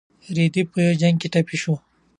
رېدی په یو جنګ کې ټپي شوی و.